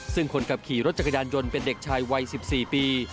ซึ่งคนขับขี่รถจักรยานยนต์เป็นเด็กชายวัย๑๔ปี